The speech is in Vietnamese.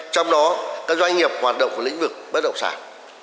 trong đó các doanh nghiệp hoạt động của lĩnh vực bất động sản